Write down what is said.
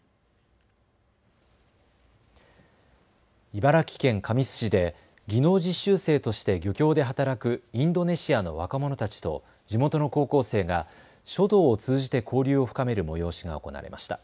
茨城県神栖市で技能実習生として漁協で働くインドネシアの若者たちと地元の高校生が書道を通じて交流を深める催しが行われました。